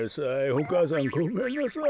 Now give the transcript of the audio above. お母さんごめんなさい。